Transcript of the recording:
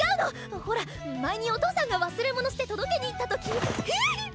ほほら前にお父さんが忘れ物して届けに行った時ひぃっ！